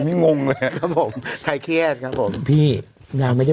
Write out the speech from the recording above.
พี่นางไม่ได้ประวัติบนนางเสี๋ย